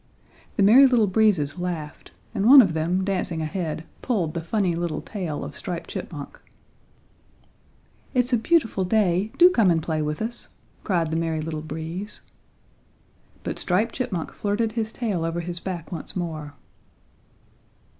The Merry Little Breezes laughed, and one of them, dancing ahead, pulled the funny little tail of Striped Chipmunk. "It's a beautiful day; do come and play with us," cried the Merry Little Breeze. But Striped Chipmunk flirted his tail over his back once more.